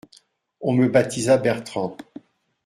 On me baptisa Bertrand.